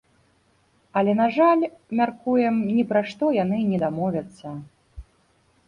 Але, на жаль, мяркуем, ні пра што яны не дамовяцца.